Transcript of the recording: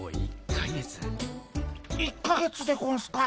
１か月でゴンスか？